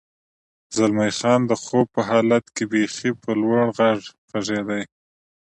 زلمی خان: د خوب په حالت کې بېخي په لوړ غږ غږېدې.